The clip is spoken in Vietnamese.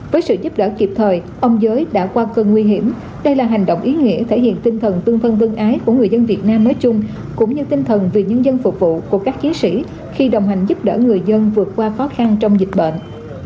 với sự giúp đỡ kịp thời ông giới đã qua cơn nguy hiểm đây là hành động ý nghĩa thể hiện tinh thần tương thân tương ái của người dân việt nam nói chung cũng như tinh thần vì nhân dân phục vụ của các chiến sĩ khi đồng hành giúp đỡ người dân vượt qua khó khăn trong dịch bệnh